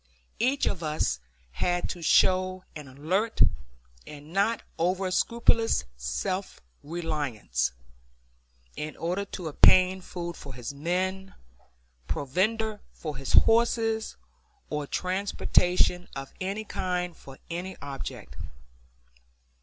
Each of us had to show an alert and not overscrupulous self reliance in order to obtain food for his men, provender for his horses, or transportation of any kind for any object.